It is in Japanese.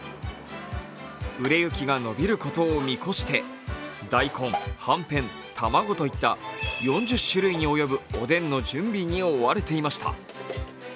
売れ行きが伸びることを見越して大根、はんぺん、卵といった４０種類に及ぶおでんの準備に追われていました。